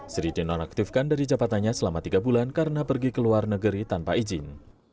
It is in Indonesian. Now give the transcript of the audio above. sri dinonaktifkan dari jabatannya selama tiga bulan karena pergi ke luar negeri tanpa izin